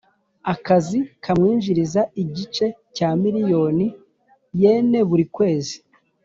akazi kamwinjiza igice cya miliyoni yen buri kwezi.